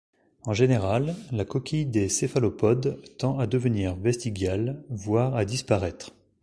En général, la coquille des céphalopodes tend à devenir vestigiale, voire à disparaître.